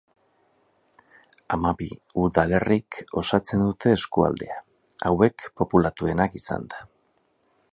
Hamabi udalerrik osatzen dute eskualdea, hauek populatuenak izanda.